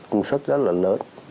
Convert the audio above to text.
cung suất rất là lớn